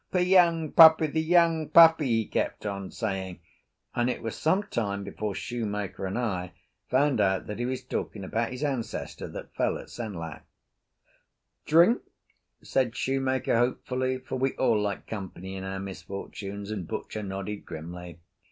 "The young puppy! the young puppy!" he kept on saying; and it was some time before shoemaker and I found out that he was talking about his ancestor that fell at Senlac. "Drink?" said shoemaker hopefully, for we all like company in our misfortunes, and butcher nodded grimly.